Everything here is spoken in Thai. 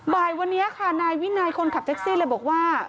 บ่ายวันนี้ค่ะนายวินัยคนขับแท็กซี่เลยบอกว่า